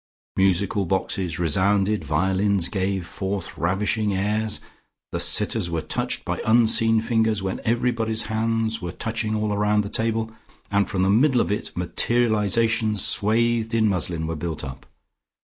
Musical boxes resounded, violins gave forth ravishing airs, the sitters were touched by unseen fingers when everybody's hands were touching all around the table, and from the middle of it materialisations swathed in muslin were built up.